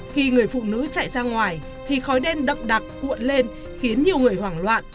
khi người phụ nữ chạy ra ngoài thì khói đen đậm đặc cuộn lên khiến nhiều người hoảng loạn